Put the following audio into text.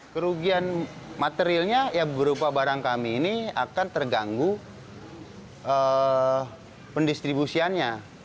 kerugian materialnya ya berupa barang kami ini akan terganggu pendistribusiannya